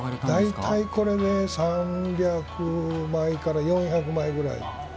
大体これね３００枚から４００枚ぐらい。